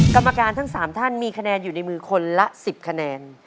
กรรมการทั้ง๓ท่านมีคะแนนอยู่ในมือคนละ๑๐คะแนน